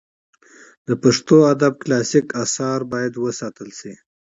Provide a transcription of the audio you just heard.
د پښتو ادب کلاسیک آثار باید وساتل سي.